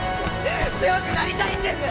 強くなりたいんです！